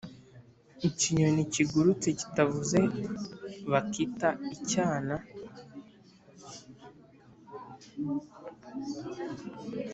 Ikinyoni kigurutse kitavuze bakita icyana